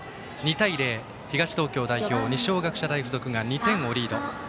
２対０東東京代表の二松学舎大付属が２点リード。